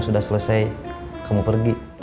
sudah selesai kamu pergi